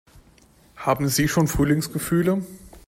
Haben Sie schon Frühlingsgefühle?